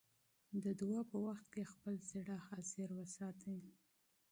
د دعا په وخت کې خپل زړه حاضر وساتئ.